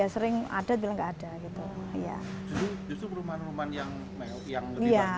ya sering ada bilang nggak ada gitu